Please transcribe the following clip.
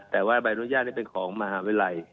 แต่ว่าใบอนุญาตนี่เป็นของมหาวิทยาลัย